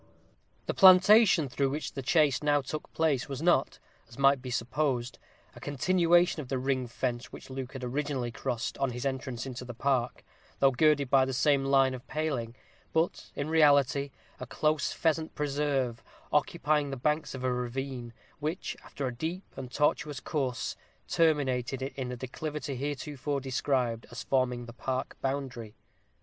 The plantation through which the chase now took place was not, as might be supposed, a continuation of the ring fence which Luke had originally crossed on his entrance into the park, though girded by the same line of paling, but, in reality, a close pheasant preserve, occupying the banks of a ravine, which, after a deep and tortuous course, terminated in the declivity heretofore described as forming the park boundary.